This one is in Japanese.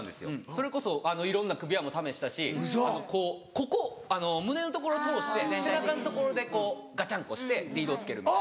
それこそいろんな首輪も試したしこうここ胸のところ通して背中のところでこうガチャンコしてリードをつけるみたいな。